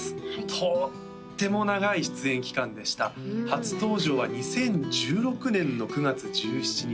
とっても長い出演期間でした初登場は２０１６年の９月１７日